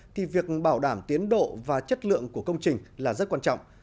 thì việc bảo đảm tiến độ và chất lượng của công trình là rất quan trọng